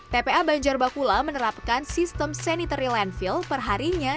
tpa banjar bakula menerapkan sistem sanitary landfill perharinya